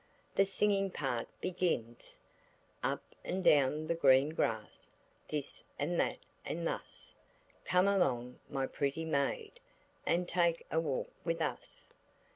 The singing part begins:– "Up and down the green grass, This and that and thus, Come along, my pretty maid, And take a walk with us.